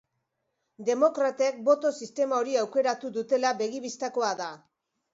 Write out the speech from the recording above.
Demokratek boto sistema hori aukeratu dutela begi-bistakoa da.